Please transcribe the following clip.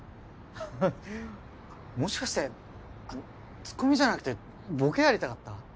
ハハッもしかしてツッコミじゃなくてボケやりたかった？